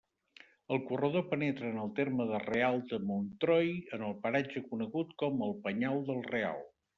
El corredor penetra en el terme de Real de Montroi en el paratge conegut com el Penyal del Real.